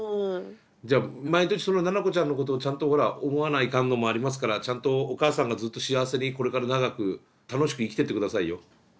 毎年そのナナコちゃんのことをちゃんとほら思わないかんのもありますからちゃんとお母さんがずっと幸せにこれから長く楽しく生きてってくださいよ。